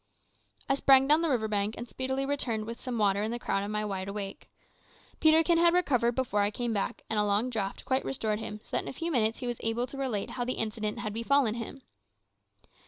I sprang down the river bank, and speedily returned with some water in the crown of my wide awake. Peterkin had recovered before I came back, and a long draught quite restored him, so that in a few minutes he was able to relate how the accident had befallen him.